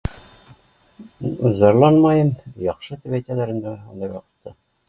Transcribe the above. Зарланмайым яҡшы тип әйтәләр инде ундай ваҡытты